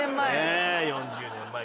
４０年前。